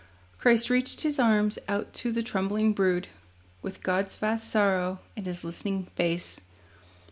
Christ reached His arms out to the trembling brood, With God's vast sorrow in His listening face.